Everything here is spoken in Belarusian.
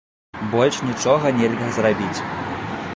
Больш нічога нельга зрабіць.